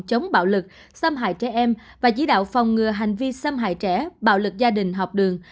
chống bạo lực xâm hại trẻ em và chỉ đạo phòng ngừa hành vi xâm hại trẻ bạo lực gia đình học đường